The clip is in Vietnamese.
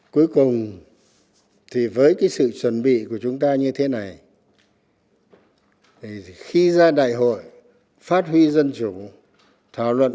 cuối cùng thì với cái sự chuẩn bị của chúng ta như thế này thì khi ra đại hội phát huy dân chủ thảo luận